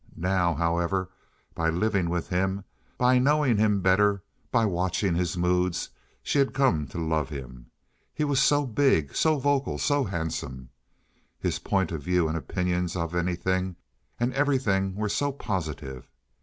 Now, however, by living with him, by knowing him better, by watching his moods, she had come to love him. He was so big, so vocal, so handsome. His point of view and opinions of anything and everything were so positive.